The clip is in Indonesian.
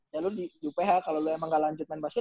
ya lu di uph kalo lu emang gak lanjut main basket